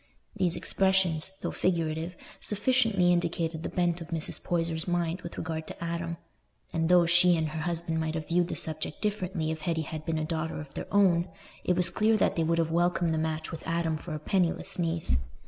These expressions, though figurative, sufficiently indicated the bent of Mrs. Poyser's mind with regard to Adam; and though she and her husband might have viewed the subject differently if Hetty had been a daughter of their own, it was clear that they would have welcomed the match with Adam for a penniless niece.